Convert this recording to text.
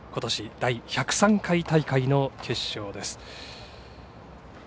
第１０３回大会の決勝です。